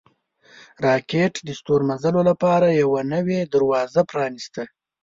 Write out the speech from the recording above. راکټ د ستورمزلو لپاره یوه نوې دروازه پرانیسته